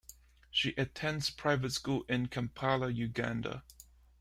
She attends private school in Kampala, Uganda.